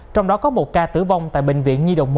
trong đó có một ca tử vong tại bệnh viện nhi đồng một